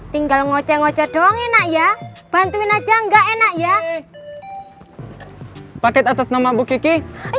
tinggal ngoceh ngoce doang enak ya bantuin aja enggak enak ya paket atas nama bu kiki